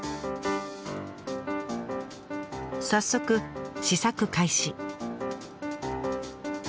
早速試作開始。